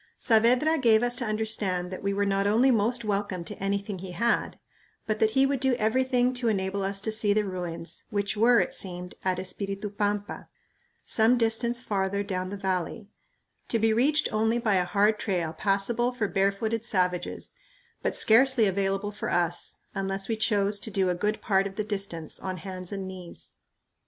Saavedra gave us to understand that we were not only most welcome to anything he had, but that he would do everything to enable us to see the ruins, which were, it seemed, at Espiritu Pampa, some distance farther down the valley, to be reached only by a hard trail passable for barefooted savages, but scarcely available for us unless we chose to go a good part of the distance on hands and knees.